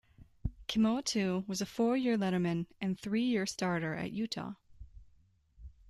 Kemoeatu was a four-year letterman and three-year starter at Utah.